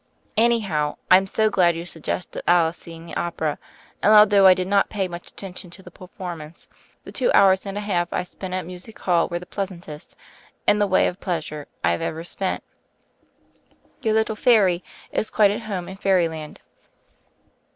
"Anyhow, I'm so glad you suggested Alice's seeing the opera, and although I did not pay much attention to the performance the two hours and a half I spent at Music Hall were the pleasantest, in the way of pleasure, I have ever spent. Your little * fairy' is quite at home in 'Fairyland.'